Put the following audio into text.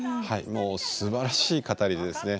もうすばらしい語りでですね